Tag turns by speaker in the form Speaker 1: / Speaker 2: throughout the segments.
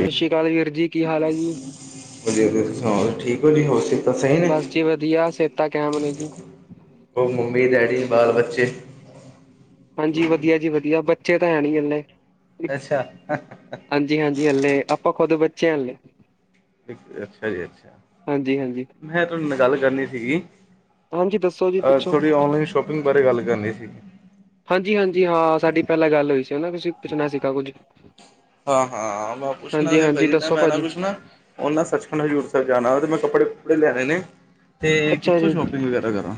Speaker 1: ਸਤਿ ਸ਼੍ਰੀ ਅਕਾਲ ਵੀਰ ਜੀ, ਕੀ ਹਾਲ ਹੈ ਜੀ?
Speaker 2: ਵਧੀਆ-ਵਧੀਆ, ਤੁਸੀਂ ਸੁਣਾਓ ਠੀਕ ਹੋ ਜੀ ਹੋਰ? ਤਾਂ ਸਹੀ ਨੇ
Speaker 1: ਬਸ ਜੀ, ਵਧੀਆ ਸਿਹਤਾਂ ਕਹਿਮ ਨੇ ਜੀ।
Speaker 2: ਉਹ ਮੰਮੀ- ਡੈਡੀ ਬਾਲ ਬੱਚੇ।
Speaker 1: ਹਾਂਜੀ ਵਧੀਆ ਜੀ, ਵਧੀਆ ਬੱਚੇ ਤਾਂ ਹੈ ਨਹੀਂ ਹੱਲੇ।
Speaker 2: ਅੱਛਾ
Speaker 1: ਹਾਂਜੀ, ਹਾਂਜੀ ਹਲੇ ਆਪਾਂ ਖੁਦ ਬੱਚੇ ਹਲੇ।
Speaker 2: ਅੱਛਾ ਜੀ, ਅੱਛਾ
Speaker 1: ਹਾਂਜੀ ਹਾਂਜੀ
Speaker 2: ਮੈਂ ਤੁਹਾਡੇ ਨਾਲ ਗੱਲ ਕਰਨੀ ਸੀਗੀ।
Speaker 1: ਹਾਂਜੀ ਦੱਸੋ ਜੀ
Speaker 2: ਅ,
Speaker 1: ਪੁੱਛੋ
Speaker 2: ਥੋੜੀ ਔਨਲਾਈਨ ਸ਼ੋਪਿੰਗ ਬਾਰੇ ਗੱਲ ਕਰਨੀ ਸੀਗੀ।
Speaker 1: ਹਾਂਜੀ, ਹਾਂਜੀ ਹਾਂ ਸਾਡੀ ਪਹਿਲਾਂ ਗੱਲ ਹੋਈ ਸੀ। ਤੁਸੀਂ ਪੁੱਛਣਾ ਸੀਗਾ ਕੁੱਝ
Speaker 2: ਹਾਂ, ਹਾਂ ਮੈਂ ਪੁੱਛਣਾ
Speaker 1: ਹਾਂਜੀ ਹਾਂਜੀ
Speaker 2: ਸੀ, ਨਾ
Speaker 1: ਦੱਸੋ
Speaker 2: ਮੈਂ ਨਾ
Speaker 1: ਭਾਜੀ
Speaker 2: ਪੁੱਛਣਾ ਉਹਨਾਂ ' ਸੱਚਖੰਡ ਹਜ਼ੂਰ ਸਾਹਿਬ 'ਜਾਣਾ ਤੇ, ਮੈਂ ਕੱਪੜੇ-ਕੁੱਪੜੇ ਲੈਣੇ ਨੇ। ਤੇ
Speaker 1: ਅੱਛਾ
Speaker 2: ਕਿੱਥੋਂ
Speaker 1: ਜੀ
Speaker 2: ਸ਼ੋਪਿੰਗ ਵਗੈਰਾ ਕਰਾਂ।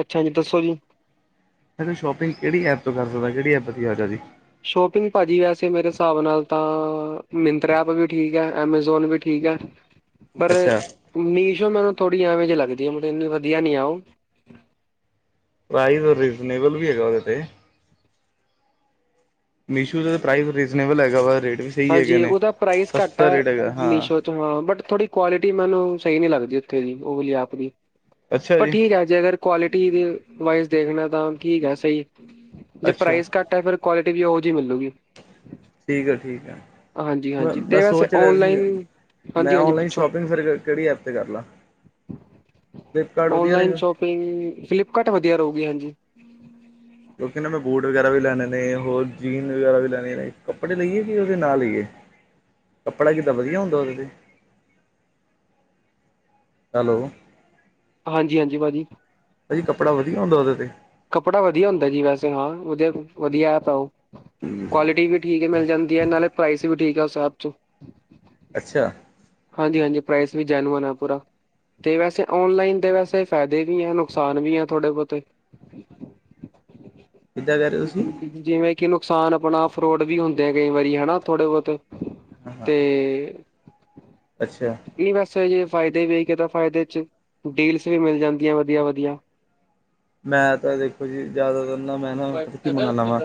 Speaker 1: ਅੱਛਾ ਜੀ ਦੱਸੋ ਜੀ।
Speaker 2: ਸ਼ੋਪਿੰਗ ਕਿਹੜੀ ਐਪ ਤੋਂ, ਕਰ ਸਕਦਾ ਕਿਹੜੀ ਐਪ ਦੀ ਵਧਿਆ ਜੀ।
Speaker 1: ਸ਼ੌਪਿੰਗ ਭਾਜੀ ਵੈਸੇ ਮੇਰੇ ਹਿਸਾਬ ਨਾਲ ਤਾਂ 'ਮਿੰਤਰਾ' ਐਪ ਵੀ ਠੀਕ ਏ 'ਐਮਾਜ਼ੌਨ' ਵੀ ਠੀਕ ਏ। ਪਰ
Speaker 2: ਅੱਛਾ
Speaker 1: 'ਮੀਸ਼ੋ' ਮੈਨੂੰ ਥੋੜ੍ਹੀ ਐਵੇਂ ਜੇ ਲੱਗਦੀ ਐ, ਮਤਲਬ ਇੰਨੀ ਵਧੀਆ ਨੀ ਐ ਉਹ।
Speaker 2: ਪ੍ਰਾਈਜ਼ ਔਰ ਰੀਜਨੇਬਲ ਵੀ ਹੈਗਾ ਓਦੇ ਤੇ। 'ਮੀਸ਼ੋ' ਦਾ ਪ੍ਰਾਈਜ਼ ਰੀਜਨੇਬਲ ਹੈਗਾ ਵਾ ਰੇਟ ਵੀ। ਸਹੀ ਹੈਗੇ
Speaker 1: ਹਾਂਜੀ
Speaker 2: ਨੇ
Speaker 1: ਓਦਾ ਪ੍ਰਾਈਜ਼ ਘੱਟ
Speaker 2: ਸਸਤਾ
Speaker 1: ਐ,
Speaker 2: ਰੇਟ ਹੈਗਾ ਹਾਂ
Speaker 1: ਮੀਸ਼ੋ। ਹਾਂ, ਬਟ ਥੋੜੀ ਕੁਆਲਿਟੀ ਮੈਨੂੰ ਸਈ ਨੀ ਲੱਗਦੀ ਉਥੇ ਦੀ ਓਹ ਵਲੀ ਐਪ ਦੀ,
Speaker 2: ਅੱਛਾ
Speaker 1: ਪਰ
Speaker 2: ਜੀ
Speaker 1: ਠੀਕ ਐ। ਜੇ ਅਗਰ ਕੁਆਲਿਟੀ ਦੇ ਵਾਈਜ਼ ਦੇਖਣਾ ਤਾਂ ਠੀਕ ਐ, ਸਈ ਜੇ
Speaker 2: ਅੱਛਾ
Speaker 1: 'ਪ੍ਰਾਈਜ਼' ਘੱਟ ਟੈ ਫਿਰ ਕੁਆਲਿਟੀ ਵੀ ਉਹ ਜਹੀ ਮਿਲੂਗੀ।
Speaker 2: ਠੀਕ ਆ ਠੀਕ ਆ,
Speaker 1: ਹਾਂਜੀ
Speaker 2: ਮੇ
Speaker 1: ਹਾਂਜੀ
Speaker 2: ਮੈਂ
Speaker 1: ਅਤੇ ਵੈਸੇ
Speaker 2: ਸੋਚ ਰਿਆ ਸੀ।
Speaker 1: ਔਨਲਾਈਨ
Speaker 2: ਮੈਂ
Speaker 1: ਹਾਂਜੀ ਹਾਂਜੀ
Speaker 2: ਔਨਲਾਈਨ
Speaker 1: ਪੁੱਛੋ
Speaker 2: 'ਸ਼ੌਪਿੰਗ' ਫਿਰ ਕਿਹੜੀ ਐਪ ਤੇ ਕਰ ਲਾ, ਫਲਿੱਪਕਾਰਟ ਵਧੀਆਂ ਰਹੇਗਾ।
Speaker 1: ਫਲਿ 'ਫਲਿੱਪਕਾਰਟ' ਵਧੀਆ ਰਓਗੀ ਹਾਂਜੀ।
Speaker 2: ਕਿਉਂਕਿ ਨਾ ਮੈਂ ਬੂਟ ਵਗੈਰਾ ਵੀ ਲੈਣੇ ਨੇ ਹੋਰ ਜੀਨ ਵਗੈਰਾ ਵੀ ਲੈਣੇ ਨੇ, ਕੱਪੜੇ ਲਈਏ ਕਿ ਓਦੇ ਨਾ ਲਈਏ। ਕੱਪੜਾ ਕਿਦਾ ਵਧੀਆ ਹੁੰਦਾ ਓਦੇ ਤੇ। ਹੈਲੋ।
Speaker 1: ਹਾਂਜੀ, ਹਾਂਜੀ ਭਾਜੀ।
Speaker 2: ਭਾਜੀ ਕੱਪੜਾ ਵਦੀਆ ਹੁੰਦਾ ਓਦੇ ਤੇ।
Speaker 1: ਕੱਪੜਾ ਵਧੀਆ ਹੁੰਦਾ ਜੀ ਵੈਸੇ ਹਾਂ ਵਧੀਆ, ਵਧੀਆ ਐਪ ਐ ਓਹ। ਕੁਆਲਿਟੀ ਵੀ ਠੀਕ ਹੀ ਮਿਲ ਜਾਂਦੀ ਏ, ਨਾਲੇ ਪ੍ਰਾਈਸ ਵੀ ਠੀਕ ਆ ਓਸ ਐਪ ਚ।
Speaker 2: ਅੱਛਾ।
Speaker 1: ਹਾਂਜੀ, ਹਾਂਜੀ ਪ੍ਰਾਈਸ ਵੀ 'ਜੈਨੂਅਨ' ਆ ਪੂਰਾ। ਤੇ ਵੈਸੇ ਔਨਲਾਈਨ ਦੇ ਵੈਸੇ ਫੈਦੇ ਵੀ ਐ ਨੁਕਸਾਨ ਵੀ ਐ ਥੋੜ੍ਹੇ - ਬੋਤੇ।
Speaker 2: ਕਿੱਦਾਂ ਕਹਿ ਰਹੇ ਹੋ ਤੁਸੀਂ
Speaker 1: [inaudible] ਜਿਵੇਂ ਕਿ ਨੁਕਸਾਨ ਆਪਣਾ ਫਰੋਡ ਵੀ ਹੁੰਦੇ ਆ, ਕਈ ਵਾਰੀ ਹੈਨਾ ਥੋੜੇ ਬੌਤੇ। ਤੇ
Speaker 2: [unintelligible] ਅੱਛਾ।
Speaker 1: ਹੀਂ ਵੈਸੇ ਜੇ ਫਾਇਦੇ ਵੇਖ ਕੇ ਤਾਂ ਫਾਇਦੇ ਚ, ਡੀਲਸ ਵੀ ਮਿਲ ਜਾਂਦੀਆਂ ਵਦੀਆਂ-ਵਦੀਆਂ।
Speaker 2: ਮੈਂ ਤਾਂ ਦੇਖੋ ਜੀ, ਜ਼ਿਆਦਾਤਰ ਨਾ ਮੈਂ ਨਾ ਕਿ ਮੰਗਾਣਾ ਵਾ,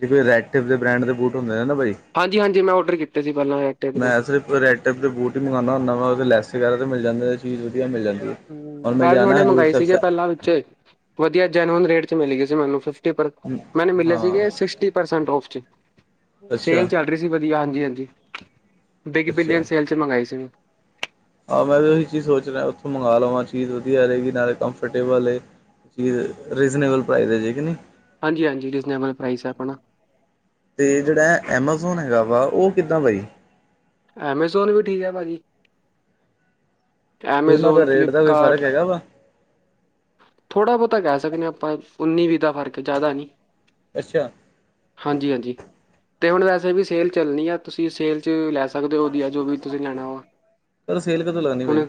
Speaker 2: ਤੇ ਫਿਰ ਰੈਡ ਤੇ ਫਿਰ ਬ੍ਰੈਂਡ ਦੇ ਬੂਟ ਹੁੰਦੇ ਏ ਨਾ ਬਈ।
Speaker 1: ਹਾਂਜੀ, ਹਾਂਜੀ ਮੈਂ ਔਡਰ ਕੀਤੇ ਸੀ ਪਹਿਲਾਂ ਏਹ।
Speaker 2: ਮੈਂ ਸਿਰਫ ਰੈਡ ਟੇਪ ਦੇ ਬੂਟ ਹੀ ਮੰਗੋਦਾਂ ਹੁਂਦਾ ਵਾ, ਓਦੇ ਲੈਸ ਵਗੈਰਾ ਤੇ ਮਿਲ ਜਾਂਦੇ ਚੀਜ਼ ਵਧੀਆ ਮਿਲ ਜਾਂਦੀ ਹੈ। ਔਰ
Speaker 1: ਮੈਂ ਵੀ
Speaker 2: ਜਾਣਾ
Speaker 1: ਹੁਣੇੇ
Speaker 2: ਹਜ਼ੂਰ
Speaker 1: ਮੰਗਵਾਈ
Speaker 2: ਸਾਹਿਬ ਸ
Speaker 1: ਸੀਗੀ ਪਹਿਲਾਂ ਵਿੱਚ, ਵਦੀਆਂ 'ਜੈਨੂਅਨ ਰੇਟ' ਚ ਮਿਲੀ ਗਈ ਸੀ ਮੈਨੂੰ ਫਿਰ। ਤੇ ਪਰ, ਮੈਨੂੰ ਮਿਲੇ ਸੀਗੇ
Speaker 2: ਹਾਂ
Speaker 1: ਸਿਕਸਟੀ ਪਰਸੈਂਟ ਔਫ਼ ਚ, ਸੇਲ
Speaker 2: ਅੱਛਾ
Speaker 1: ਚਲ ਟ੍ਰੇਜੀ ਵਦੀਆਂ ਹਾਂਜੀ-ਹਾਂਜੀ। ਬਿਗ ਬਿਲੀਅਨ
Speaker 2: ਅੱਛਾ
Speaker 1: ਸੇਲ ਚ ਮੰਗਾਈ ਸੀ ਮੈਂ
Speaker 2: ਆਹ ਮੈਂ ਵੀ ਓਹੀ ਚੀਜ਼ ਸੋਚ ਰਿਆ ਓਥੋਂ ਮੰਗਾ ਲਵਾਂ, ਚੀਜ਼ ਵਧੀਆ ਰਏਗੀ ਨਾਲੇ ਕੰੰਮਫ਼ਰਟੇਬਲ ਏ। ਠੀ ਏ, ਰੀਜਨੇਬਲ ਪ੍ਰਾਈਜ਼ ਐ ਜੇ ਕਿ ਨੀ।
Speaker 1: ਹਾਂਜੀ-ਹਾਂਜੀ ਰੀਜ਼ਨੇਬਲ ਪ੍ਰਾਈਸ ਐ ਆਪਣਾ।
Speaker 2: ਤੇ ਜੜਾ ਐ ਐਮਾਜ਼ੋਨ ਹੈਗਾ ਵਾ ਓ ਕਿੱਦਾਂ ਬਾਈ?
Speaker 1: ਐਮਾਜ਼ੋਨ ਵੀ ਠੀਕ ਐ ਭਾਜੀ।
Speaker 2: ਦੋਨਾਂ
Speaker 1: ਐਮਾਜ਼ੋਨ
Speaker 2: ਦਾ ਰੇਟ ਦਾ ਵੀ ਫ਼ਰਕ
Speaker 1: ਫਲਿੱਪਕਾਰਟ
Speaker 2: ਹੈਗਾ ਵਾ।
Speaker 1: ਥੋੜ੍ਹਾ ਬੌਤਾ ਕੈ ਸਕਦੇ ਆਂ ਆਪਾਂ, ਉੱਨੀ-ਵੀਅ ਦਾ ਫਰਕ ਜ਼ਾਦਾ ਨਈ।
Speaker 2: ਅੱਛਾ।
Speaker 1: ਹਾਂਜੀ-ਹਾਂਜੀ, ਤੇ ਹੁਣ ਵੈਸੇ ਵੀ ਸੇਲ ਚੱਲਣੀ ਐ। ਤੁਸੀਂ ਸੇਲ 'ਚ ਲੈ ਸਕਦੇ ਓ ਵਧੀਆ ਜੋ ਵੀ ਤੁਸੀਂ ਲੈਣਾ ਵਾ,
Speaker 2: ਕਦੋਂ ਸੇਲ ਕਦੋਂ ਲੱਗਣੀ ਬਾਈ
Speaker 1: ਹੁਣੇ।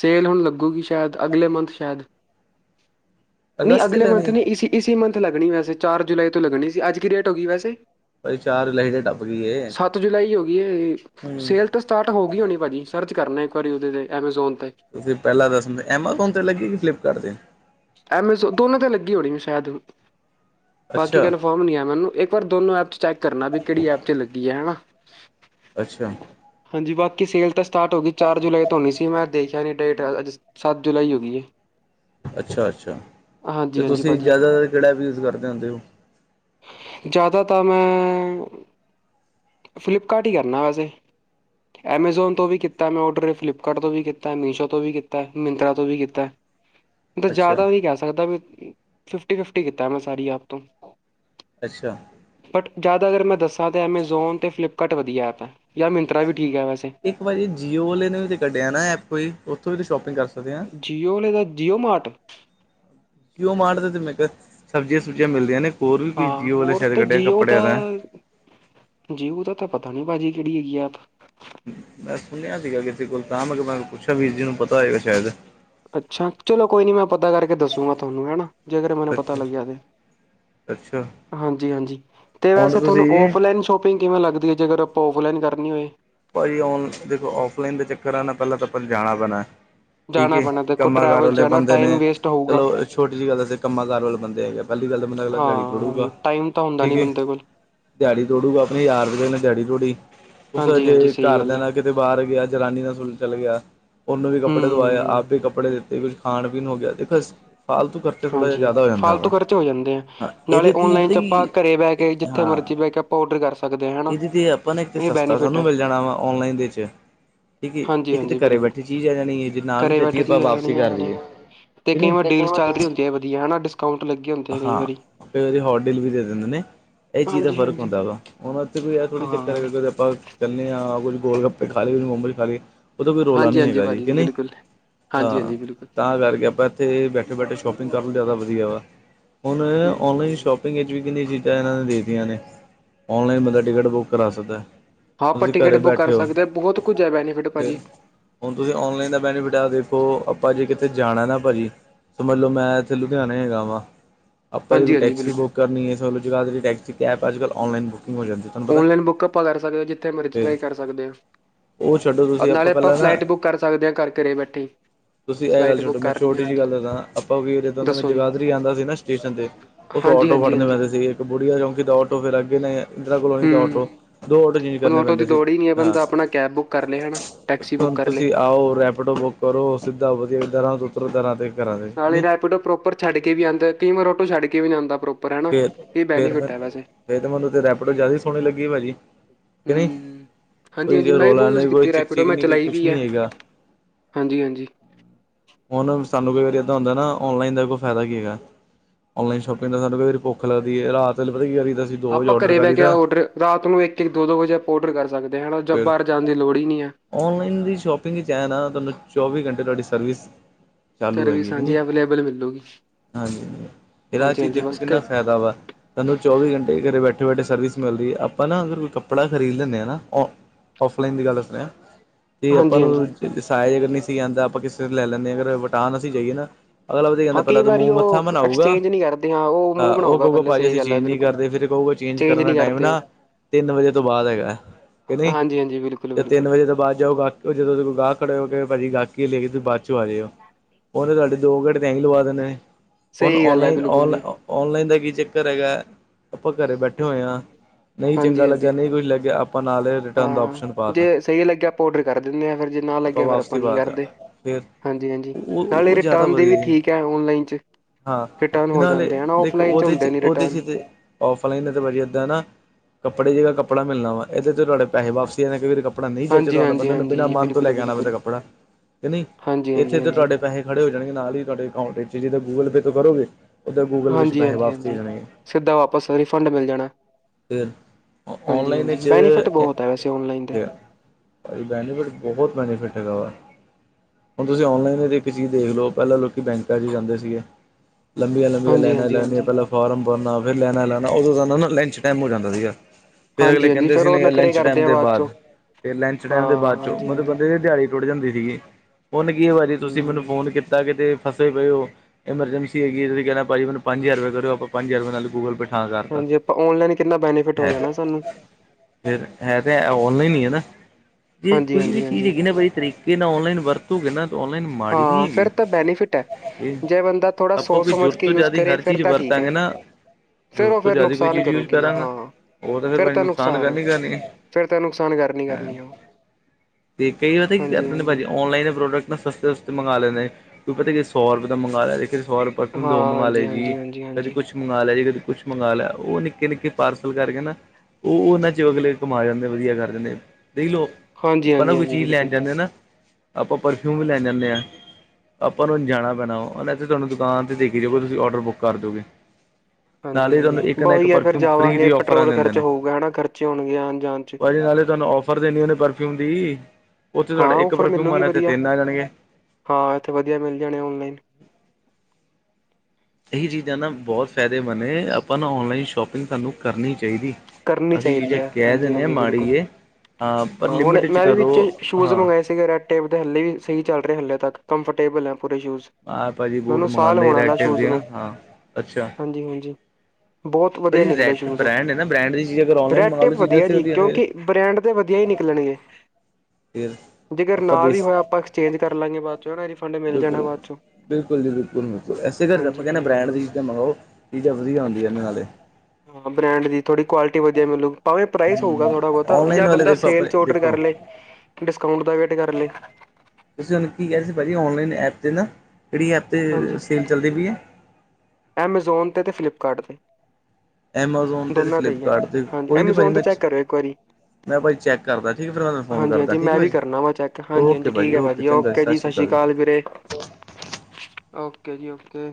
Speaker 1: ਸੇਲ ਹੁਣ ਲੱਗੁਗੀ ਸ਼ੈਦ ਅਗਲੇ ਮੰਥ ਸ਼ੈਦ। ਨੀ
Speaker 2: ਅਗਸਤ 'ਚ
Speaker 1: ਅਗਲੇ ਮੰਥ
Speaker 2: ਲੱਗਣੀ
Speaker 1: ਨੀ, ਇਸੀ-ਇਸੀ ਮੰਥ ਲੱਗਣੀ ਵੈਸੇ। ਚਾਰ ਜੁਲਾਈ ਤੋਂ ਲੱਗਣੀ ਸੀ, ਅੱਜ ਕੀ ਡੇਟ ਹੋ ਗਈ ਵੈਸੇ।
Speaker 2: ਭਾਜੀ ਚਾਰ ਲਾਈਟੇ ਟੱਪ ਗਈ ਏ।
Speaker 1: ਸੱਤ ਜੁਲਾਈ ਹੋ ਗੀ ਏ
Speaker 2: ਹੂੰ।
Speaker 1: ਸੇਲ ਤੇ ਸਟਾਟ ਹੋ ਗੀ ਹੋਣੀ ਭਾਜੀ, ਸਰਚ ਕਰਨਾ ਇੱਕ ਵਾਰੀ ਓਦੇ ਤੇ ਐਮਾਜ਼ੋਨ ਤੇ।
Speaker 2: ਤੁਸੀਂ ਪੈਲਾਂ ਦੱਸ ਦੇੰਦੇ ਐਮਾਜ਼ੋਨ ਤੇ ਲੱਗੇਗੀ ਫਲਿੱਪਕਾਰਟ ਤੇ।
Speaker 1: ਐਮਜੋ ਦੋਨਾ ਤੇ ਲੱਗੀ ਹੋਣੀ ਏ ਸ਼ੈਦ, ਬਾਕੀ
Speaker 2: ਅੱਛਾ,
Speaker 1: ਕਨਫ਼ਮ ਨੀ ਏ ਮੈਨੂੰ। ਇੱਕ ਪਰ ਦੋਨੋ ਐਪਸ ਚੈੱਕ ਕਰਨਾ, ਵੀ ਕੇੜੀ ਐਪ 'ਚ ਲੱਗੀ ਐ ਹਨਾ।
Speaker 2: ਅੱਛਾ
Speaker 1: ਹਾਂਜੀ, ਬਾਕੀ ਸੇਲ ਤਾਂ ਸਟਾਟ ਹੋ ਗੀ, ਚਾਰ ਜੁਲਾਈ ਤੋਂ ਹੋਣੀ ਸੀ, ਮੈਂ ਦੇਖਿਆ ਜੀ ਡੇਟ, ਅਜ ਅ ਸੱਤ ਜੁਲਾਈ ਹੋ ਗੀ ਐ।
Speaker 2: ਅੱਛਾ-ਅੱਛਾ, ਤੇ
Speaker 1: ਹਾਂਜੀ ਹਾਂਜੀ ਭਾਅ
Speaker 2: ਤੁਸੀਂ
Speaker 1: ਜੀ
Speaker 2: ਜ਼ਾਦਾਤਰ ਕੇੜਾ ਏਪ ਯੂਜ਼ ਕਰਦੇ ਹੁੰਦੇ ਓ?
Speaker 1: ਜ਼ਾਦਾ ਤਾਂ ਮੈਂ ਫਲਿੱਪਕਾਟ ਈ ਕਰਨਾ ਵੈਸੇ। ਐਮਾਜ਼ੋਨ ਤੋਂ ਵੀ ਕੀਤਾ ਮੈਂ ਔਡਰ, ਫਲਿੱਪਕਾਟ ਤੋਂ ਵੀ ਕੀਤਾ, ਮੀਸ਼ੋ ਤੋਂ ਵੀ ਕੀਤਾ, ਮਿੰਤਰਾ ਤੋਂ ਵੀ ਕੀਤਾ। ਪਰ
Speaker 2: ਅੱਛਾ,
Speaker 1: ਜ਼ਾਦਾ ਵੀ ਨੀ ਕੈ ਸਕਦਾ, ਵੀ ਫਿਫਟੀ -ਫਿਫਟੀ ਕੀਤਾ ਮੈਂ ਸਾਰੀ ਐਪ ਤੋਂ।
Speaker 2: ਅੱਛਾ।
Speaker 1: ਬਟ, ਜਾਦਾ ਅਗਰ ਮੈਂ ਦੱਸਾਂ ਤੇ ਐਮਾਜ਼ੋਨ ਤੇ ਫਲਿੱਪਕਾਰਟ ਵਧੀਆ ਐਪ ਐ, ਯਾ ਮਿੰਤਰਾ ਵੀ ਠੀਕ ਐ ਵੈਸੇ।
Speaker 2: ਇੱਕ ਵਾਰੀ, ਜੀਓ ਵਾਲੇ ਨੇ ਵੀ ਕੱਢਿਆ ਨਾ ਐਪ ਕੋਈ, ਓਥੋਂ ਵੀ ਤੇ ਸ਼ੋਪਿੰਗ ਕਰ ਸਕਦੇ ਆਂ।
Speaker 1: ਜੀਓ ਵਲੇ ਦਾ, ਜੀਓ ਮਾਰਟ।
Speaker 2: ਜੀਓ ਮਾਰਟ ਤੇ ਮੈ ਕਆ ਸਬਜ਼ੀਆਂ ਸੁਬਜ਼ੀਆਂ ਮਿਲਦੀਆਂ ਨੇ, ਹੋਰ ਵੀ ਪੀ
Speaker 1: ਹਾਂ
Speaker 2: ਜੀਓ ਵਾਲੇ
Speaker 1: ਹੋਰ
Speaker 2: ਸ਼ੈਦ
Speaker 1: ਤੇ
Speaker 2: ਕੱਢਿਆ
Speaker 1: ਜੀਓ
Speaker 2: ਕੱਪੜਿਆਂ ਦਾ।
Speaker 1: ਜੀਓ ਦਾ ਤਾਂ ਪਤਾ ਨੀ ਪਾਜੀ, ਕੇੜੀ ਹੈਗੀ ਐਪ।
Speaker 2: ਮੈਂ ਸੁਣਿਆ ਸੀਗਾ ਕਿਸੇ ਕੋਲ ਤਾਂ, ਮਗ ਗ- ਮੈਂ ਪੁੱਛਿਆ ਵੀਰ ਜੀ ਨੂੰ ਪਤਾ ਹੋਏਗਾ, ਸ਼ੈਦ।
Speaker 1: ਅੱਛਾ! ਚਲੋ ਕੋਈ ਨੀ, ਮੈਂ ਪਤਾ ਕਰਕੇ ਦੱਸੂਗਾ ਤੁਆਨੂੰ ਹੈਨਾ, ਜੇਕਰ ਮੈਨੂੰ ਪਤਾ
Speaker 2: ਅੱਛਾ,
Speaker 1: ਲੱਗਿਆ ਤੇ।
Speaker 2: ਅੱਛਾ
Speaker 1: ਹਾਂਜੀ- ਹਾਂਜੀ, ਤੇ
Speaker 2: ਹੁਣ
Speaker 1: ਵੈਸੇ ਤੁਆਨੂੰ
Speaker 2: ਤੁਸੀਂ
Speaker 1: ਔਂਫਲਾਈਨ ਸ਼ੋਪ ਪਿੰਗ ਕਿਵੇਂ ਲੱਗਦੀ ਏ, ਜੇ ਅਗਰ ਆਪਾਂ ਔਫਲਾਈਨ ਕਰਨੀ ਓਏ?
Speaker 2: ਭਾਜੀ ਔਨ, ਦੇਖੋ ਔਫਲਾਈਨ ਦੇ ਚੱਕਰ ਆ ਨਾ ਪੈਲਾਂ ਤਾਂ, ਆਪਾਂ ਨੁੰ ਜਾਣਾ ਪੈਣਾ। ਠੀਕ
Speaker 1: ਜਾਣਾ
Speaker 2: ਏ,
Speaker 1: ਪੈਣਾ ਦੇਖੋ
Speaker 2: ਕੰਮਾਂ ਕਾਰ
Speaker 1: ਟਰੈਵਲ ਚ
Speaker 2: ਵਾਲੇ
Speaker 1: ਹਨਾ
Speaker 2: ਬੰਦੇ
Speaker 1: ਟਾਈਮ
Speaker 2: ਨੇ,
Speaker 1: ਵੇਸਟ ਹੋਊਗਾ
Speaker 2: ਚਲੋ ਛੋਟੀ ਜੀ ਗੱਲ ਤੇ ਕੰਮਾਂ ਕਾਰ ਆਲੇ ਬੰਦੇ ਹੈਗੇ। ਪੈਲੀ ਗੱਲ ਤਾਂ ਬੰਦਾ ਅਗਲਾ ਦਿਆੜੀ
Speaker 1: ਹਾਂ
Speaker 2: ਤੌੜੂਗਾ,
Speaker 1: ਟਾਈਮ ਤਾਂ ਹੁੰਦਾ
Speaker 2: ਠੀਕ
Speaker 1: ਨੀ
Speaker 2: ਏ।
Speaker 1: ਬੰਦੇ ਕੋਲ
Speaker 2: ਦਿਆੜੀ ਤੋੜੂਗਾ ਆਪਣੀ, ਯਾਰ ਰਪਏ ਦੀ ਹੈਓਨੇ ਦਿਆੜੀ ਤੋੜੀ।
Speaker 1: ਹਾਂਜੀ
Speaker 2: ਹਜੇ
Speaker 1: ਹਾਂਜੀ
Speaker 2: ਓਈ
Speaker 1: ਸਹੀ ਗੱਲ
Speaker 2: ਘਰਦਿਆਂ
Speaker 1: ਹੈ
Speaker 2: ਨਾਲ ਕਿਤੇ ਬਾਰ ਗਿਆ, ਜਨਾਨੀ ਨਾਲ ਸੂਲ ਚੱਲ ਗਿਆ। ਓਨੂੰ ਵੀ ਕੱਪੜੇ ਦਵਾਏ ਆ, ਆਪ
Speaker 1: ਹੂੰ
Speaker 2: ਵੀ ਕੱਪੜੇ ਲਿੱਤੇ, ਕੁਝ ਖਾਣ ਪੀਣ ਹੋ ਗਿਆ, ਦੇਖੋ ਏਸ ਫਾਲਤੂ ਖਰਚ ਤੇ ਥੋੜਾ ਜਿਆ
Speaker 1: ਹਾਂਜੀ
Speaker 2: ਜ਼ਾਦਾ ਹੋ ਜਾਂਦਾ
Speaker 1: ਫਾਲਤੂ
Speaker 2: ਵਾ,
Speaker 1: ਖਰਚੇ ਹੋ ਜਾਂਦੇ
Speaker 2: ਆ
Speaker 1: ਨਾਲੇ
Speaker 2: ਏਦੇ ਤੇ ਜੀ
Speaker 1: ਔਨਲਾਈਨ
Speaker 2: ਪਤਾ
Speaker 1: ਚ ਆਪਾਂ ਘਰੇ ਬਹਿ
Speaker 2: ਕੀ
Speaker 1: ਕੇ ਜਿੱਥੇ
Speaker 2: ਹਾਂ।
Speaker 1: ਮਰਜ਼ੀ ਬਹਿ ਕੇ ਆਪਾਂ ਔਡਰ ਕਰ ਸਕਦੇ ਹਾਂ ਹੈਨਾ
Speaker 2: ਏਦੇ ਤੇ ਆਪਾਂ ਨਾ ਇੱਕ,
Speaker 1: ਇਹ
Speaker 2: ਸਸਤਾ
Speaker 1: ਬੈਨੀਫਿਟ
Speaker 2: ਸਾਨੂੰ
Speaker 1: ਹੈ
Speaker 2: ਮਿਲ ਜਾਣਾ ਵਾ ਔਨਲਾਈਨ ਦੇ 'ਚ। ਠੀਕ ਏ,
Speaker 1: ਹਾਂਜੀ
Speaker 2: ਇੱਕ ਤੇ
Speaker 1: ਹਾਂਜੀ
Speaker 2: ਘਰੇ
Speaker 1: ਬਿਲਕੁਲ
Speaker 2: ਬੈਠੇ ਚੀਜ਼ ਆ ਜਾਣੀ ਐ ਜੇ ਨਾ ਵੀ
Speaker 1: ਘਰੇ
Speaker 2: ਜੱਚੀ
Speaker 1: ਬੈਠੇ ਚੀਜ਼
Speaker 2: ਆਪਾਂ
Speaker 1: ਆ
Speaker 2: ਵਾਪਸੀ
Speaker 1: ਜਾਣੀ ਆ
Speaker 2: ਕਰ
Speaker 1: ਹਾਂਜੀ।
Speaker 2: ਦੇਨੀ
Speaker 1: ਤੇ ਕਈ
Speaker 2: ਵੀਰੇ
Speaker 1: ਵਾਰ ਡੀਲਸ
Speaker 2: ਕਿਥੋ
Speaker 1: ਚੱਲ ਰਹੀ ਹੁੰਦੀ ਹੈ ਵਧੀਆ ਹਨਾ ਡਿਸਕਾਊਂਟ ਲੱਗੇ ਹੁੰਦੇ
Speaker 2: ਆ
Speaker 1: ਕਈ
Speaker 2: ਹਾਂ,
Speaker 1: ਵਾਰੀ।
Speaker 2: ਕਈ ਵਾਰੀ ਹੋਟ ਡਿਲਿਵਰੀ ਦੇ ਦਿੰਦੇ ਨੇ ਇਹ ਚੀਜ਼ ਦਾ ਫਰਕ
Speaker 1: ਹਾਂਜੀ-ਹਾਂਜੀ।
Speaker 2: ਹੁੰਦਾ ਵਾ, ਹੁਣ ਉੱਥੇ ਕੋਈ ਇਹ ਥੋੜੀ ਚੈਕ
Speaker 1: ਹਾਂ,
Speaker 2: ਕਹੈਗਾ ਕਿ ਆਪਾਂ ਆਂ ਕੁਛ ਗੋਲ ਗੱਪੇ ਖਾ ਲਏ, ਕੁਛ ਮੋਮੌਂਜ ਖਾ ਲਏ। ਉਹਦਾ ਕੋਈ ਰੌਲਾ ਨਹੀਂ
Speaker 1: ਹਾਂਜੀ-ਹਾਂਜੀ
Speaker 2: ਹੈਗਾ ਜੀ,
Speaker 1: ਭਾਜੀ
Speaker 2: ਕਿ ਨਹੀਂ,
Speaker 1: ਬਿਲਕੁਲ
Speaker 2: ਹਾਂ
Speaker 1: ਹਾਂਜੀ-ਹਾਂਜੀ ਬਿਲਕੁਲ
Speaker 2: ਤਾਂ ਕਰਕੇ ਆਪਾਂ ਤੇ ਬੈਠੇ, ਬੈਠੇ ਸ਼ੋਪਿੰਗ ਕਰਲੋਂ, ਜ਼ਿਆਦਾ ਵਧੀਆ ਵਾ, ਹੁਣ ਔਨਲਾਈਨ
Speaker 1: ਹੂੰ।
Speaker 2: ਸ਼ੋਪਿੰਗ ਵਿੱਚ ਵੀ ਕਿੰਨੀਂ ਚੀਜ਼ਾਂ ਇਹਨਾਂ ਨੇ ਦੇਤੀਆਂ ਨੇ, ਔਨਲਾਈਨ ਬੰਦਾ ਟਿਕਟ ਬੁੱਕ ਕਰਾ ਸਕਦਾ।
Speaker 1: ਹਾਂ,
Speaker 2: ਹੁਣ
Speaker 1: ਆਪਾਂ
Speaker 2: ਤੁਸੀਂ
Speaker 1: ਟਿਕਟ
Speaker 2: ਘਰੇ
Speaker 1: ਬੁੱਕ ਕਰ
Speaker 2: ਬੈਠੇ ਹੋ
Speaker 1: ਸਕਦੇ ਆਂ, ਬਹੁਤ ਕੁੱਝ ਹੈ ਬੈਨੀਫਿਟ ਪਾਂ
Speaker 2: ਫਿਰ
Speaker 1: ਜੀ।
Speaker 2: ਹੁਣ ਤੁਸੀਂ ਔਨਲਾਈਨ ਦਾ ਬੈਨੀਫਿਟ ਆ ਦੇਖੋ, ਆਪਾਂ ਜੇ ਕਿਤੇ ਜਾਣਾ ਨਾ ਭਾਜੀ ਸਮਝ ਲੋ, ਮੈਂ ਇੱਥੇ ਲੁਧਿਆਣੇ ਹੈਗਾ ਵਾਂ ਆਪਾਂ ਜਦੋ ਕੋਈ
Speaker 1: ਹਾਂਜੀ-ਹਾਂਜੀ
Speaker 2: ਟੈਕਸੀ
Speaker 1: ਬਿਲਕੁਲ।
Speaker 2: ਬੁੱਕ ਕਰਨੀ ਏ, ਸਗੋ ਜਗਾਧਰੀ ਟੈਕਸੀ ਐਪ, ਅੱਜ ਕੱਲ ਔਨਲਾਈਨ ਬੁਕਿੰਗ ਹੋ ਜਾਂਦੀ। ਤੁਹਾਨੂੰ ਪਤਾ
Speaker 1: ਔਨਲਾਈਨ ਬੁੱਕ ਆਪਾਂ ਕਰ ਸਕਦੇਂ, ਜਿੱਥੇ ਮਰਜ਼ੀ
Speaker 2: ਫਿਰ
Speaker 1: ਟਰਾਈ ਕਰ ਸਕਦੇ ਹਾਂ।
Speaker 2: ਉਹ ਛੱਡੋ ਤੁਸੀਂ
Speaker 1: ਨਾਲੇ ਆਪਾਂ
Speaker 2: ਪਹਿਲਾਂ ਨਾ
Speaker 1: ਫਲਾਈਟ ਬੁੱਕ ਕਰ ਸਕਦੇ ਹਾਂ, ਘਰ ਘਰੇ ਬੈਠੇ ਈ।
Speaker 2: ਤੁਸੀਂ ਇਹ ਗੱਲ ਛੱਡੋ, ਮੈਂ ਛੋਟੀ ਜਿਹੀ ਗਲ ਦੱਸਦਾਂ ਹਾਂ, ਆਪਾਂ ਵੀਰ ਏਦਾਂ, ਮੈਂ
Speaker 1: ਦੱਸੋ ਜੀ
Speaker 2: ਜਗਾਧਰੀ ਆਉਂਦਾ ਸੀ ਨਾ ਸਟੇਸ਼ਨ ਤੇ ਉਥੋਂ ਆਟੋ ਫੜਨੇ
Speaker 1: ਹਾਂਜੀ-ਹਾਂਜੀ-ਹਾਂਜੀ
Speaker 2: ਪੈਂਦੇ ਸੀਗੇ ਬੁੜੀਆ ਚੌਂਕੀ ਦਾ ਔਟੋ, ਫਿਰ ਅੱਗੇ ਨੇ ਇੰਧਰਾ ਕੋਲੋਂਨੀ
Speaker 1: ਹੂੰ।
Speaker 2: ਦਾ ਔਂਟੋ ਦੋ ਔਂਟੋ ਚੇਂਜ
Speaker 1: ਹੁਣ
Speaker 2: ਕਰਨੇ
Speaker 1: ਆਟੋ ਦੀ
Speaker 2: ਪੈਂਦੇ ਸੀ
Speaker 1: ਦੌੜ ਹੀ ਨਹੀਂ ਹੈ,
Speaker 2: ਹਾਂ
Speaker 1: ਬੰਦਾ ਆਪਣਾ ਕੈਬ ਬੁੱਕ ਕਰ ਲਏ, ਹੈਨਾ, ਟੈਕਸੀ ਬੁੱਕ ਕਰ ਲਏ।
Speaker 2: ਆਹੋ, ਰੈਪਿਡੋ ਬੁੱਕ ਕਰੋ, ਸਿੱਧਾ ਵਧੀਆ, ਦਰਾਂ ਤੇ ਉਤਰੋਂ, ਦਰਾਂ ਦੇ। ਘਰਾਂ
Speaker 1: ਨਾਲੇ
Speaker 2: ਨਹੀਂ
Speaker 1: ਰੈਪਿਡੋ ਪ੍ਰੋਪਰ ਛੱਡ ਕੇ ਵੀ ਆਉਂਦਾ, ਕਈ ਵਾਰ ਔਟੋ ਛੱਡ ਕੇ ਵੀ ਨੀ ਆਉਂਦਾ ਪ੍ਰੋਪ
Speaker 2: ਫੇਰ, ਫੇਰ- ਫੇਰ ਤੇ, ਮੈਨੂੰ ਤੇ ਰੈਪਡੋ ਜ਼ਿਆਦਾ ਹੀ ਸੋਹਣੀ ਲੱਗੀ ਭਾਜੀ। ਕਿ ਨਹੀਂ?
Speaker 1: ਹੂੰ।
Speaker 2: ਕੋਈ ਜੇ
Speaker 1: ਹਾਂਜੀ-ਹਾਂਜੀ ਮੈਂ ਵੀ
Speaker 2: ਰੌਲਾ
Speaker 1: ਬਹੁਤ ਯੂਜ
Speaker 2: ਨਹੀਂ, ਕੋਈ
Speaker 1: ਕੀਤੀ
Speaker 2: ਚਿਕ ਚਿਕ ਨਹੀਂ, ਕੋਈ ਕੁਛ ਨਹੀਂ ਹੈਗਾ।
Speaker 1: ਹਾਂਜੀ -ਹਾਂਜੀ।
Speaker 2: ਹੁਣ ਸਾਨੂੰ ਕਈ ਵਾਰੀ ਏਦਾਂ ਹੁੰਦਾ ਨਾ, ਔਨਲਾਈਨ ਦਾ ਕੋਈ ਫਾਇਦਾ ਕੀ ਹੈਗਾ! ਔਨਲਾਈਨ ਸ਼ੋਪਿੰਗ ਦਾ, ਸਾਨੂੰ ਕਈ ਵਾਰੀ ਭੁੱਖ ਲੱਗਦੀ ਐ, ਰਾਤ ਨੂੰ ਪਤਾ ਕੀ ਕਰੀ ਦਾ ਅਸੀਂ ਦੋਜ
Speaker 1: ਆਪਾਂ
Speaker 2: ਔਡਰ
Speaker 1: ਘਰੇ
Speaker 2: ਕਰ
Speaker 1: ਬਹਿ ਕੇ
Speaker 2: ਲਈਦਾ
Speaker 1: ਔਡਰ ਰਾਤ ਨੂੰ ਇੱਕ, ਇੱਕ ਦੋ, ਦੋ ਵਜੋਂ ਔਡਰ ਕਰ ਸਕਦੇ ਹਨਾ
Speaker 2: ਫਿਰ
Speaker 1: ਬਾਹਰ ਜਾਣ ਦੀ ਲੋੜ ਹੀ ਨਹੀਂ ਹੈ।
Speaker 2: ਔਨਲਾਈਨ ਦੀ ਸ਼ੋਪਿੰਗ ਚ ਆ ਨਾ ਤੁਹਾਨੂੰ ਚੌਵੀ ਘੰਟੇ ਤੁਹਾਡੀ ਸਰਵਿਸ
Speaker 1: ਫਿਰ
Speaker 2: ਚਾਲੂ
Speaker 1: ਵੀ
Speaker 2: ਹੈਗੀ ਕਿ ਨਹੀਂ
Speaker 1: ਸਾਂਝੀ ਅਵੇਲੇਬਲ ਮਿਲੂਗੀ।
Speaker 2: ਹਾਂਜੀ ਇਹ਼ ਚੀਜ
Speaker 1: ਹਾਂਜੀ-ਹਾਂਜੀ
Speaker 2: ਦੇਖੋ
Speaker 1: ਬਸ
Speaker 2: ਕਿੰਨਾ
Speaker 1: ਕ
Speaker 2: ਫਾਇਦਾ ਵਾ ਤੁਹਾਨੂੰ ਚੌਵੀ ਘੰਟੇ ਅਤੇ ਘਰੇ ਬੈਠੇ, ਬੈਠੇ ਸਰਵਿਸ ਮਿਲਦੀ ਹੈ, ਆਪਾਂ ਨਾ ਅਗਰ ਕੋਈੱ ਕਪੜਾ ਖਰੀਦ ਲੈਂਦੇ ਹਾਂ ਨਾ ਔਫਲਾਈਨ ਦੀ ਗੱਲ ਦੱਸਣੇ ਹਾਂ ਤੇ ਆਪਾਂ ਨੂੰ
Speaker 1: ਹਾਂਜੀ-ਹਾਂਜੀ।
Speaker 2: ਤੇ ਸਾਇਜ ਅਗਰ ਨਹੀਂ ਸੀ ਆਂਦਾ ਆਪਾਂ ਕਿਸੇ ਲੈ ਲੈਂਦੇ ਹਾਂ ਅਗਰ ਵਟਾਨ ਵਾਸਤੇ ਜਾਈਏ ਨਾ ਅਗਲਾ ਵਾ ਕਹਿੰਦਾ
Speaker 1: ਹਾਂ ਕਈ
Speaker 2: ਪਹਿਲਾਂ ਤੂੰ
Speaker 1: ਵਾਰੀ
Speaker 2: ਮੂੰਹ ਮੱਥਾ
Speaker 1: ਉਹ
Speaker 2: ਬਨਾਊਗਾ
Speaker 1: ਐਕਸਚੇਂਜ ਨਹੀਂ ਕਰਦੇ ਹਾਂ ਉਹ
Speaker 2: ਹਾਂ
Speaker 1: ਮੂੰਹ
Speaker 2: ਉਹ
Speaker 1: ਬਣਾਊਗਾ
Speaker 2: ਕਹੇਗਾ
Speaker 1: ਪਹਿਲੇ
Speaker 2: ਭਾਜੀ
Speaker 1: ਸਹੀ
Speaker 2: ਅਸੀਂ
Speaker 1: ਗੱਲ ਹੈ
Speaker 2: ਚੇਂਜਨ ਨਹੀਂ
Speaker 1: ਬਿਲਕੁਲ।
Speaker 2: ਕਰਦੇ ਫੇਰ ਕਹੂਗਾ ਚੇਂਜ ਕਰਨ ਦਾ
Speaker 1: ਨਹੀਂ
Speaker 2: ਟਾਈਮ
Speaker 1: ਕਰਦੇ ਉਹ
Speaker 2: ਨਾ ਤਿੰਨ ਵਜੇ ਤੋਂ ਬਾਅਦ ਹੈਗਾ। ਨਹੀਂ
Speaker 1: ਹਾਂਜੀ-ਹਾਂਜੀ
Speaker 2: ਜਾਂ
Speaker 1: ਬਿਲਕੁਲ-ਬਿਲਕੁਲ
Speaker 2: ਤਿੰਨ ਵਜੇ ਤੋਂ ਬਾਅਦ ਜਾਊਗਾ ਜਦੋਂਸੀ ਕੋਈ ਗਾਹਕ ਖੜੇ ਹੋ ਭਾਜੀ ਗਾਹਕੀ ਲੈ ਤੁਸੀ ਬਾਅਦ ਚ ਆਜਾੳ ਉਹਨੇ ਤੁਹਾਡੇ ਦੋ ਘੰਟੇ ਤੇ ਏਵੇ ਲਵਾ ਦੇਣੇ ਹੁਣ
Speaker 1: ਸਹੀ ਗੱਲ ਹੈ
Speaker 2: ਔਨਲਾਈਨ
Speaker 1: ਬਿਲਕੁਲ ਜੀ
Speaker 2: ਨ ਔਨਲਾਈਨ ਦਾ ਕੀ ਚੱਕਰ ਹੈਗਾ ਆਪਾਂ ਘਰ ਬੈਠੇ ਹੋਏ ਹਾਂ ਨਹੀਂ ਚੰਗਾ
Speaker 1: ਹਾਂਜੀ-ਹਾਂਜੀ।
Speaker 2: ਲੱਗਿਆ ਨਹੀਂ ਕੁੱਝ ਲੱਗਿਆ ਆਪਾਂ ਨਾਲ ਰਿਟਰਨ ਦਾ
Speaker 1: ਹਾਂ
Speaker 2: ਆਪਸ਼ਨ ਪਾ ਤਾ
Speaker 1: ਜੇ ਸਹੀ ਲੱਗਿਆ ਆਪਾਂ ਔਡਰ ਕਰ ਦਿੰਦੇ ਹਾਂ, ਫਿਰ ਜੇ ਨਾ ਲੱਗਿਆ ਫਿਰ ਆਪਾਂ
Speaker 2: ਵਾਪਸੀ
Speaker 1: ਨਹੀਂ
Speaker 2: ਪਾ ਤਾ
Speaker 1: ਕਰਦੇ।
Speaker 2: ਫਿਰ
Speaker 1: ਹਾਂਜੀ, ਹਾਂਜੀ
Speaker 2: ਉਹ
Speaker 1: ਨਾਲੇ
Speaker 2: ਉਹ ਜ਼ਿਆਦਾ
Speaker 1: ਰਿਟਰਨ ਦੇ ਵੀ
Speaker 2: ਵਧੀਆ ਜੀ
Speaker 1: ਠੀਕ ਹੈ ਔਨਲਾਈਨ 'ਚ
Speaker 2: ਹਾਂ
Speaker 1: ਰਿਟਰਨ ਹੋ
Speaker 2: ਨਾਲੇ
Speaker 1: ਜਾਂਦੇ ਹੈ ਨਾ
Speaker 2: ਦੇਖੋ
Speaker 1: ਔਫਲਾਈਨ
Speaker 2: ਉਹਦੇ ਚ
Speaker 1: ਹੁੰਦੇ ਨਹੀਂ
Speaker 2: ਉਹਦੇ
Speaker 1: ਰਿਟਰਨ
Speaker 2: ਚ ਔਫਲਾਈਨ ਤਾਂ ਭਾਜੀ ਏਦਾਂ ਨਾ ਕੱਪੜੇ ਜਿ੍ਹੜਾ ਕੱਪੜਾ ਮਿਲਣਾ ਵਾ ਇਹਦੇ ਤੇ ਤੁਹਾਡੇ ਪੈੇਸੇ ਵਾਪਸੀ ਇਹਨਾਂ ਦੇ ਕਿਹੜੇ ਕੰਮ ਕੱਪੜਾ ਨਹੀਂ ਜਚਦਾ
Speaker 1: ਹਾਂਜੀ
Speaker 2: ਹੁੰਦਾ
Speaker 1: ਹਾਂਜੀ
Speaker 2: ਬੰਦੇ ਨੂੰ ਬਿਨਾਂ
Speaker 1: ਹਾਂਜੀ
Speaker 2: ਮਨ ਤੋਂ ਲੈ
Speaker 1: ਬਿਲਕੁਲ
Speaker 2: ਕੇ ਆਣਾ ਪੈਂਦਾ
Speaker 1: ਬਿਲਕੁਲ
Speaker 2: ਕਪੜਾ ਨਹੀਂ
Speaker 1: ਹਾਂਜੀ
Speaker 2: ਇਥੇ
Speaker 1: ਹਾਂਜੀ
Speaker 2: ਤੇ
Speaker 1: ਹਾਂਜੀ
Speaker 2: ਤੁਹਾਡੇ ਪੈਸੇ ਖੜੇ ਹੋ ਜਾਣਗੇ ਨਾਲ ਹੀ ਤੁਹਾਡੇ ਅਕਾਊਂਟ ਵਿੱਚ ਜਿੱਦਾਂ ਗੂਗਲ ਪੇ ਤੋਂ ਕਰੋਗੇ। ਉੱਦਾਂ ਗੂਗਲ ਵਿੱਚ
Speaker 1: ਹਾਂਜੀ,
Speaker 2: ਪੈਸੇ
Speaker 1: ਹਾਂਜੀ,
Speaker 2: ਵਾਪਸੀ ਹੋ
Speaker 1: ਹਾਂਜੀ
Speaker 2: ਜਾਣਗੇ
Speaker 1: ਸਿੱਧਾ ਵਾਪਸ ਰਿਫੰਡ ਮਿਲ ਜਾਣਾ।
Speaker 2: ਫਿਰ
Speaker 1: ਹਾਂਜੀ
Speaker 2: ਔਨਲਾਈਨ
Speaker 1: ਹਾਂਜੀ
Speaker 2: ਚ
Speaker 1: ਬੈਨੀਫਿਟ ਬਹੁਤ ਹੈ ਵੈਸੇ ਔਨਲਾਈਨ ਦੇ
Speaker 2: ਫ ਇਹ ਬੈਨੀਫਿਟ ਬਹੁਤ ਬੈਨੀਫਿਟ ਹੈਗਾ ਵਾ ਹੁਣ ਤੁਸੀਂ ਔਨਲਾਈਨ ਇਹ ਇੱਕ ਚੀਜ਼ ਦੇਖ ਲਓ, ਪਹਿਲਾਂ ਲੋਕੀ ਬੈਂਕਾਂ 'ਚ ਜਾਂਦੇ ਸੀਗੇ। ਲੰਬੀਆਂ- ਲੰਬੀਆਂ
Speaker 1: ਹਾਂਜੀ
Speaker 2: ਲੈਨਾਂ
Speaker 1: ਹਾਂਜੀ
Speaker 2: ਲੈਣੀਆਂ
Speaker 1: ਹਾਂਜੀ
Speaker 2: ਪਹਿਲੋ ਫਾਰਮ ਭਰਨਾ ਫਿਰ ਲੈਣਾ- ਲੈਣਾ ਉਦੋਂ ਉਹਨਾਂ ਦਾ ਲੰਚ ਟਾਇਮ ਹੋ ਜਾਂਦਾ ਸੀਗਾ, ਫ਼ੇਰ
Speaker 1: ਹਾਂਜੀ
Speaker 2: ਅਗਲੇ
Speaker 1: ਹਾਂਜੀ
Speaker 2: ਕਹਿੰਦੇ
Speaker 1: ਫਿਰ
Speaker 2: ਸੀ
Speaker 1: ਉਹ
Speaker 2: ਨਹੀ ਯ
Speaker 1: ਨਖਰੇ
Speaker 2: ਲੰਚ
Speaker 1: ਕਰਦੇ
Speaker 2: ਟਾਈਮ
Speaker 1: ਆ
Speaker 2: ਦੇ ਬਾਅਦ
Speaker 1: ਚੋਂ
Speaker 2: ਫੇਰ ਲੰਚ
Speaker 1: ਹਾਂ
Speaker 2: ਟਾਇਮ ਦੇ ਬਾਅਦ ਚੋਂ
Speaker 1: ਹਾਂਜੀ
Speaker 2: ਮਤਲਬ
Speaker 1: ਹਾਂਜੀ
Speaker 2: ਬੰਦੇ ਫੇਰ ਦਿਹਾੜੀ ਟੁੱਟ ਜਾਂਦੀ ਸੀਗੀ, ਹੁਣ ਕੀ ਹੋਇਆ ਤੁਸੀਂ ਮੈਨੂੰ
Speaker 1: ਹਮ
Speaker 2: ਫੋਨ ਕੀਤਾ ਕਿਤੇ ਫਸੇ ਪਏ ੲੌ, ਐਮਰਜਸੀ ਹੈਗੀ ਤੁਸੀਂ ਕਹਿਣਾ ਭਾਜ਼ੀ ਮੈਂਨੂੰ ਪੰਜ ਹਜ਼ਾਰ ਰੁਪਏ ਦੇ ਦੋ ਆਪਾ ਪੰਜ ਹਜਾਰ ਰੁਪਏ ਤੁਹਾਂਨੂੰ ਗੂਗਲ ਪੇਅ
Speaker 1: ਹਾਂਜੀ, ਆਪਾਂ ਓਨਲਾਈਨ ਕਿੰਨਾਂ ਬੈਨੀਫਿਟ ਹੋ ਗਿਆਂ
Speaker 2: ਤੇ
Speaker 1: ਨਾ ਸਾਂਨੂੰ।
Speaker 2: ਫਿਰ ਹੈ ਤੇ ਐ ਔਨਲਾਈਨ ਹੀ ਹੈ ਨਾ, ਜੇ
Speaker 1: ਹਾਂਜੀ
Speaker 2: ਕੋਈ ਵੀ
Speaker 1: ਹਾਂਜੀ
Speaker 2: ਚੀਜ਼
Speaker 1: ਹਾਂਜੀ
Speaker 2: ਕੀ ਤੇ ਬਾਈ ਤਰੀਕੇ ਨਾਲ਼ ਔਨਲਾਈਨ ਵਰਤੋਗੇ ਨਾ ਔਨਲਾਈਨ ਮਾੜੀ ਨਹੀਂ
Speaker 1: ਹਾਂ
Speaker 2: ਹੈਗੀ
Speaker 1: ਫਿਰ ਤਾਂ ਬੈਨੀਫਿਟ ਹੈ
Speaker 2: ਇਹ
Speaker 1: ਜੇ ਬੰਦਾ ਥੋੜ੍ਹਾ
Speaker 2: ਆਪਾਂ
Speaker 1: ਸੋਚ
Speaker 2: ਕੋਈ
Speaker 1: ਸਮਝ
Speaker 2: ਜ਼ਰੂਰਤ
Speaker 1: ਕੇ
Speaker 2: ਤੋਂ
Speaker 1: ਯੂਜ
Speaker 2: ਜ਼ਿਆਦਾ
Speaker 1: ਕਰੇ
Speaker 2: ਹਰ
Speaker 1: ਫਿਰ
Speaker 2: ਚੀਜ਼
Speaker 1: ਤਾਂ ਠੀਕ ਐ।
Speaker 2: ਵਰਤਾਂਗੇ ਨਾ
Speaker 1: ਫਿਰ
Speaker 2: ਜ਼ਰੂਰਤ
Speaker 1: ਉਹ
Speaker 2: ਤੋਂ
Speaker 1: ਫਿਰ
Speaker 2: ਜ਼ਿਆਦਾ ਕੋਈ
Speaker 1: ਨੁਕਸਾਨ
Speaker 2: ਚੀਜ਼ ਯੂਜ
Speaker 1: ਕਰੂਗੀ ਉਹ,
Speaker 2: ਕਰਾਂਗਾ
Speaker 1: ਹਾਂ
Speaker 2: ਉਹ
Speaker 1: ਫਿਰ
Speaker 2: ਮੈਨੂੰ
Speaker 1: ਤਾਂ ਨੁਕਸਾਨ ਐ।
Speaker 2: ਕਰਨੀ ਕਰਨੀ ਹੈ।
Speaker 1: ਫਿਰ ਤੇ ਨੁਕਸਾਨ ਕਰਨੀ- ਕਰਨੀ ਓ
Speaker 2: ਤੇ ਕਈ ਪਤਾਂ ਕੀ ਕਰਦੇ ਨੇਂ ਭਾਜੀ ਔਨਲਾਈਨ ਦੇ ਪ੍ਰੋਡਕਟ ਨਾ ਸਸਤੇ ਤੋਂ ਸਸ ਮੰਗਵਾ ਲੈਂਦੇ, ੲੌ ਪਤਾ ਕਿ ਸੌ ਰੁਪਏ ਦਾ ਮੰਗਵਾ ਲਿਆ, ਕਦੀ ਸੌ ਰੁਪਏ ਦੇ
Speaker 1: ਹਾਂ
Speaker 2: ਦੋ ਮੰਗਵਾ
Speaker 1: ਹਾਂਜੀ
Speaker 2: ਲਏ ਜੀ।
Speaker 1: ਹਾਂਜੀ ਹਾਂਜੀ
Speaker 2: ਕਦੇ
Speaker 1: ਹਾਂਜੀ
Speaker 2: ਕੁਛ ਮੰਗਵਾ ਲਿਆ ਜੇ ਕਦੇ ਕੁੱਛ ਮੰਗਵਾ ਲ਼ਿਆ, ਉਹ ਨਿੱਕੇ- ਨਿੱਕੇ ਪਾਰਸਲ ਕਰਕੇ ਨਾ ਉਹ ਉਹਨਾਂ ਚੋਂ ਅਗਲੇ ਕਮਾ ਜਾਂਦੇ ਵਧੀਆ ਕਰ ਜਾਂਦੇ ਕਈ ਲੋਕ,
Speaker 1: ਹਾਂਜੀ
Speaker 2: ਆਪਾਂ ਨਾ
Speaker 1: ਹਾਂਜੀ
Speaker 2: ਕੋਈ
Speaker 1: ਹਾਂਜੀ
Speaker 2: ਚੀਜ਼ ਲੈਣ
Speaker 1: ਬਿਲਕੁਲ ਜੀ
Speaker 2: ਜਾਂਦੇ ਨਾ ਆਪਾਂ ਪਰਫਿਊਮ ਲੈਣ ਜਾਂਨੇ ਆ ਆਪਾਂ ਨੂੰ ਜਾਣਾ ਪੈਣਾ ਵਾ, ਉਹਨਾਂ ਤੇ ਤੁਹਾਂਨੂੰ ਦੁਕਾਨ ਤੇ ਦੇ ਕੇ ਜਾਓਗੇ, ਤੁਸੀਂ ਔਡਰ ਬੁੱਕ ਕਰ ਦੋਗੇ।
Speaker 1: ਹਾਂਜੀ-
Speaker 2: ਨਾਲੇ
Speaker 1: ਹਾਂਜੀ
Speaker 2: ਤੁਹਾਨੂੰ ਇੱਕ ਨਾ ਇੱਕ
Speaker 1: ਬਧੀਆ ਫ਼ਿਰ
Speaker 2: ਪਰਫਿਊਮ ਫ੍ਰਰੀ
Speaker 1: ਜਾਵਾਂਗੇ
Speaker 2: ਦੀ ਔਫਰਾਂ
Speaker 1: ਪੈਟਰੋਲ
Speaker 2: ਦਿੰਦੇ
Speaker 1: ਖ਼ਰਚ
Speaker 2: ਨੇ।
Speaker 1: ਹੋਊਗਾ ਹਨਾ, ਖ਼ਰਚੇ ਹੋਣਗੇ ਆਣ ਜਾਣ 'ਚ
Speaker 2: ਨਾਲੇ ਤੁਹਾਨੂੰ ਔਫਰ ਦੇਣੀ ਉਹਨੇ ਪਰਫਿਊਮ ਦੀ, ਉੱਥੇ ਤੁਹਾਡਾ
Speaker 1: ਹਾਂ
Speaker 2: ਇੱਕ
Speaker 1: ਔਫਰ
Speaker 2: ਪਰਫਿਊਮ
Speaker 1: ਮਿਲੂਗੀ
Speaker 2: ਆਣਾ ਏਥੇ
Speaker 1: ਵਧੀਆ
Speaker 2: ਤਿੰਨ ਆ ਜਾਂਣਗੇ।
Speaker 1: ਹਾਂ, ਏਥੋਂ ਵਧੀਆਂ ਮਿਲ਼ ਜਾਣੇ ਔਨਲਾਈਨ।
Speaker 2: ਇਹੀ ਚੀਜ਼ਾਂ ਨਾ ਬਹੁਤ ਫਾਇਦੇਮੰਦ ਨੇ, ਆਪਾਂ ਨੂੰ ਔਨਲਾਈਨ ਸ਼ੋਪਿੰਗ ਸਾਂਨੂੰ ਕਰਨੀਂ ਚਾਹੀਦੀ।
Speaker 1: ਕਰਨੀ
Speaker 2: ਅਸੀਂ
Speaker 1: ਚਾਹੀਦੀ
Speaker 2: ਚੀਜ਼ਾਂ
Speaker 1: ਆ,
Speaker 2: ਕਹਿ
Speaker 1: ਹਾਂਜੀ-
Speaker 2: ਦਿੰਦੇ ਹਾਂ
Speaker 1: ਹਾਂਜੀ ਬਿਲਕੁਲ।
Speaker 2: ਮਾੜੀ ਹੈ ਪਰ
Speaker 1: ਹਾਂ, ਹੁਣ
Speaker 2: ਲਿਮਿਟ 'ਚ
Speaker 1: ਮੈਂ ਵੀ
Speaker 2: ਕਰੋ
Speaker 1: ਵਿੱਚੇ ਸ਼ੂਜ
Speaker 2: ਹਾਂ
Speaker 1: ਮੰਗਵਾਏ ਸੀਗੇ ਰੈਟ ਦੇ ਹਲੇ ਵੀ ਸਹੀ ਚੱਲ ਰਹੇ ਹਲੇ ਤੱਕ ਕੰਫਰਟੇਬਲ ਹੈ ਪੂਰੇ ਸ਼ੂਜ਼਼।
Speaker 2: ਹਾਂ ਭਾਜੀ ਬੂਟ
Speaker 1: ਮੈਂਨੂੰ ਸਾਲ
Speaker 2: ਮੰਗਵਾਉਂਦੇ ਹੀ
Speaker 1: ਹੋਣ
Speaker 2: ਰੈਡ
Speaker 1: ਆਲਾ
Speaker 2: ਟੇਪ
Speaker 1: ਸ਼ੂਜ
Speaker 2: ਦੀਆਂ
Speaker 1: ਨੂੰ
Speaker 2: ਹਾਂ ਅੱਛਾ
Speaker 1: ਹਾਂਜੀ- ਹਾਂਜੀ ਬਹੁਤ ਵਧੀਆਂ ਨਿਕਲੇ ਸ਼ੂਜ਼ ਓ
Speaker 2: ਲੈਨਾਂ ਬ੍ਰੈਡ ਦੀ ਚੀਜ਼ਾਂ ਫ਼ਿਰ ਔਨ
Speaker 1: ਰੈਡ ਟੇਪ ਵਧੀਆਂ ਜੀ, ਕਿਉਂਕਿ ਬ੍ਰੈਂਡ ਦੇ ਵਧੀਆਂ ਹੀ ਨਿਕਲਣਗੇ।
Speaker 2: ਫਿਰ
Speaker 1: ਜੇਕਰ
Speaker 2: ਆਪਾਂ
Speaker 1: ਨਾ ਵੀ
Speaker 2: ਦੇਸ
Speaker 1: ਹੋਇਆ ਆਪਾਂ ਐਕਸਚੇਂਜ ਕਰ ਲਾਂਗੇ ਬਾਅਦ ਚੋਂ, ਰਿਫੰਡ ਮਿਲ ਜਾਣਾ
Speaker 2: ਬਿਲਕੁਲ
Speaker 1: ਬਾਅਦ ਚੋਂ
Speaker 2: ਬਿਲਕੁਲ ਜੀ, ਬਿਲਕੁਲ -ਬਿਲਕੁਲ ਇਸੇ ਕਰ ਆਪਾਂ ਕਹਿੰਦੇ ਬ੍ਰੈਂਡ
Speaker 1: ਹਾਂਜੀ-ਹਾਂਜੀ-ਹਾਂਜੀ
Speaker 2: ਦੀ ਚੀਜ਼ਾਂ ਮੰਗਵਾਓ, ਚੀਜ਼ਾਂ ਵਧੀਆ ਆਉਦੀਆਂ ਨੇਂ ਨਾਲੇ
Speaker 1: ਹਾਂ, ਬ੍ਰੈਂਡ ਦੀ ਥੋੜ੍ਹੀ ਕੁਆਲਟੀ ਵਧੀਆ ਮਿਲੂ, ਭਾਵੇਂ ਪ੍ਰਾਈਸ ਹੋਊਗਾ ਥੋੜਾਂ ਬਹੁਤਾ
Speaker 2: ਔਨਲਾਈਨ
Speaker 1: ਜਾਂ
Speaker 2: ਵਾਲੇ
Speaker 1: ਬੰਦਾਂ
Speaker 2: ਦੇਖੋ
Speaker 1: ਸੇਲ
Speaker 2: ਆਪਣੇ
Speaker 1: 'ਚ ਔਡਰ
Speaker 2: ਦੇਖੋ
Speaker 1: ਕਰ ਲੇ ਡਿਸਕਾਊਂਟ ਦਾ ਵੇਟ ਕਰ ਲੇ
Speaker 2: ਉਸ ਦਿਨ ਕੀ ਕਿਹਾ ਸੀ ਭਾਜੀ ਔਨਲਾਈਨ ਐਪ 'ਤੇ ਨਾ ਕਿਹੜੀ ਐਪ 'ਤੇ
Speaker 1: ਹਾਂਜੀ
Speaker 2: ਸੇਲ ਚੱਲਦੀ ਪਈ ਐਂ।
Speaker 1: ਐਮਾਜ਼ੋਨ 'ਤੇ -ਤੇ ਫਲਿੱਪਕਾਰਟ 'ਤੇ
Speaker 2: ਐਮਾਜ਼ੋਨ
Speaker 1: ਦੋਨਾਂ ਤੇ ਹੀ ਆ,
Speaker 2: ਫਲਿੱਪਕਾਰਟ ਤੇ
Speaker 1: ਹਾਂਜੀ
Speaker 2: ਕੋਈ ਨਹੀਂ ਭਾਜੀ
Speaker 1: ਐਮਾਜੋਨ ਤੇ
Speaker 2: ਮੈਂ
Speaker 1: ਚੈੱਕ ਕਰਿਓ ਇੱਕ ਵਾਰੀ
Speaker 2: ਮੈਂ ਭਾਜੀ ਚੈੱਕ ਕਰਦਾ ਠੀਕ ਹੈ ਫਿਰ ਮੈਂ ਤੁਹਾਨੂੰ ਫੋਨ
Speaker 1: ਹਾਂਜੀ
Speaker 2: ਕਰਦਾ
Speaker 1: -ਹਾਂਜੀ
Speaker 2: ਠੀਕ ਹੈ
Speaker 1: ਮੈਂ ਵੀ
Speaker 2: ਭਾਜੀ
Speaker 1: ਕਰਨਾਂ ਵਾ ਚੈੱਕ, ਹਾਂਜੀ -ਹਾਂਜੀ ਠੀਕ ਹੈ ਭਾਜੀ ਓਕੇ ਜੀ। ਸਤਿ ਸ਼੍ਰੀ ਅਕਾਲ ਵੀਰੇ, ਓਕੇ ਜੀ ਓਕੇ